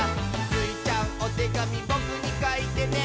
「スイちゃん、おてがみぼくにかいてね」